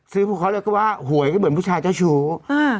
พวกเขาเลยก็ว่าหวยก็เหมือนผู้ชายเจ้าชู้